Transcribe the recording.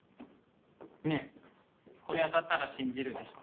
ねぇこれ当たったら信じるでしょ？